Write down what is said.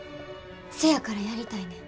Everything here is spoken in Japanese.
せやからやりたいねん。